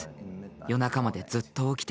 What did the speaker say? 夜中までずっと起きてました。